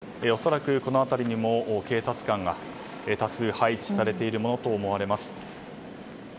多くの報道陣そして、恐らくこの辺りにも警察官が多数配置されているものと思われます。